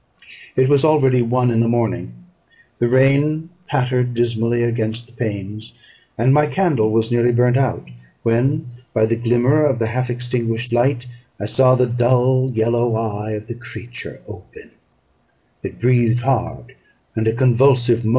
It was already one in the morning; the rain pattered dismally against the panes, and my candle was nearly burnt out, when, by the glimmer of the half extinguished light, I saw the dull yellow eye of the creature open; it breathed hard, and a convulsive motion agitated its limbs.